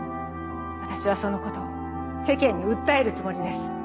私はそのことを世間に訴えるつもりです。